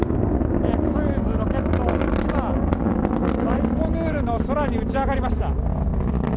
ソユーズロケットが今、バイコヌールの空に打ち上がりました。